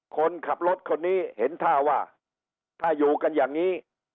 คนขับรถคนนี้เห็นท่าว่าถ้าอยู่กันอย่างนี้